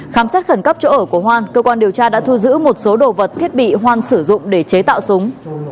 khám xét khẩn cấp chỗ ở của hoan cơ quan điều tra đã thu giữ một số đồ vật thiết bị hoan sử dụng để chế tạo súng